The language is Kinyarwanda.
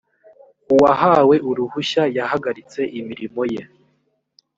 uwahawe uruhushya yahagaritse imirimo ye